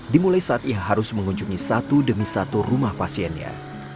dimulai saat ia harus mengunjungi satu demi satu rumah pasiennya